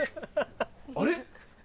あれ？